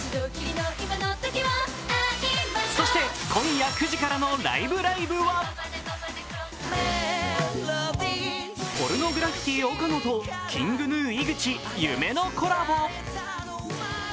そして、今夜９時からの「ライブ！ライブ！」はポルノグラフィティ岡野とＫｉｎｇＧｎｕ・井口、夢のコラボ。